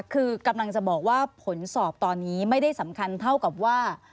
คือกำลังจะบอกว่าผลสอบตอนนี้ไม่ได้สำคัญเท่ากับว่า